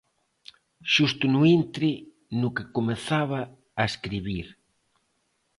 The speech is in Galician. Xusto no intre no que comezaba a escribir.